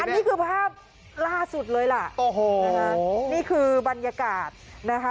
อันนี้คือภาพล่าสุดเลยล่ะนี่คือบรรยากาศนะคะ